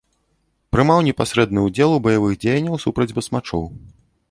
Прымаў непасрэдны ўдзел у баявых дзеяннях супраць басмачоў.